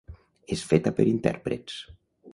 És feta per intèrprets.